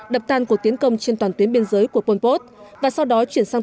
đập tan cuộc tiến công trên toàn tuyến biên giới của pol pot và sau đó chuyển sang